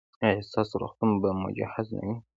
ایا ستاسو روغتون به مجهز نه وي؟